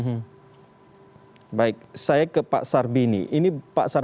ini pak sarbini ini berbicara soal apa yang tadi sudah dikisahkan